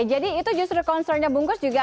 jadi itu justru konsernya bungkus juga